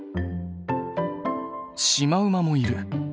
シマウマもいる！